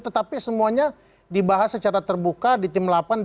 tetapi semuanya dibahas secara terbuka di tim delapan